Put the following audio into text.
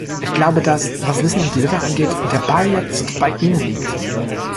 Ich glaube, dass, was listen und deliver angeht, der Ball jetzt bei Ihnen liegt.